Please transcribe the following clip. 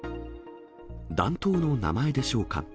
弾頭の名前でしょうか。